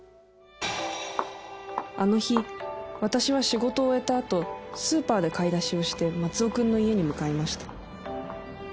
あの日私は仕事を終えたあとスーパーで買い出しをして松尾君の家に向かいました